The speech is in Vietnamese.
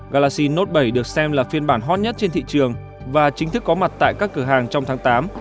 galaxin not bảy được xem là phiên bản hot nhất trên thị trường và chính thức có mặt tại các cửa hàng trong tháng tám